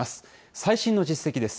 最新の実績です。